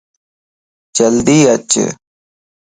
جلدي اچ